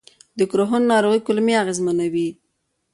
د کروهن ناروغي کولمې اغېزمنوي.